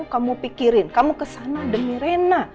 kamu pikirin kamu kesana demi rena